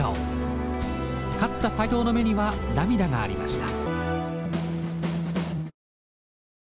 勝った斎藤の目には涙がありました。